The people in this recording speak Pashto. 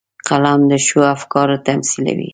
قلم د ښو افکارو تمثیلوي